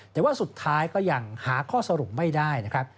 แต่ว่าสุดท้ายก็ยังหาข้อสรุปไม่ได้นะครับ